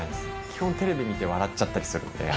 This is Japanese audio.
基本、テレビ見て笑っちゃったりするので。